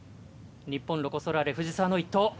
日本ロコ・ソラーレ藤澤の一投。